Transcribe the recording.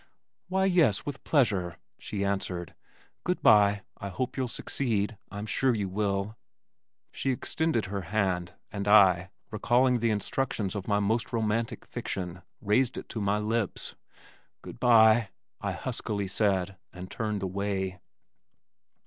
"Why, yes, with pleasure," she answered. "Good bye, I hope you'll succeed. I'm sure you will." She extended her hand and I, recalling the instructions of my most romantic fiction, raised it to my lips. "Good bye!" I huskily said, and turned away.